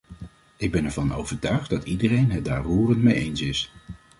Ik ben ervan overtuigd dat iedereen het daar roerend mee eens is.